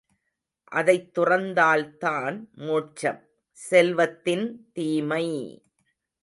அதைத் துறந்தால்தான் மோட்சம்... செல்வத்தின் தீமை!